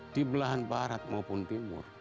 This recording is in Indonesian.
di belahan barat maupun timur